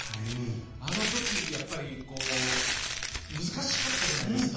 あの時、やっぱり難しかったじゃないですか。